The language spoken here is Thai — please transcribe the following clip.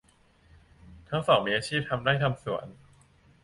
ทั้งสองมีอาชีพทำไร่ทำสวน